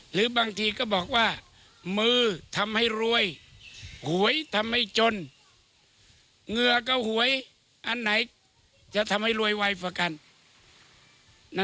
หรือบางทีก็บอกว่ามือทำให้รวยหวยทำให้จนเหงื่อก็หวยอันไหนจะทำให้รวยไวกว่ากัน